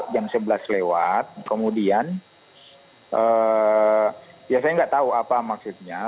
jam sebelas lewat kemudian ya saya nggak tahu apa maksudnya